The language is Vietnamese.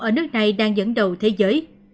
ở nước này đang dẫn đầu thế giới